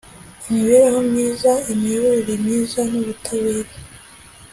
imibereho myiza imiyoborere myiza n ubutabera